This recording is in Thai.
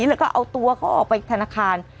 แล้วก็เอาตัวเขาออกไปธนาคาร